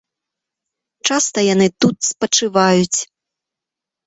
Часта яны тут спачываюць.